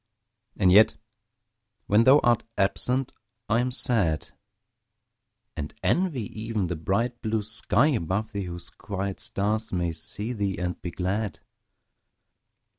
And yet when thou art absent I am sad; And envy even the bright blue sky above thee, Whose quiet stars may see thee and be glad.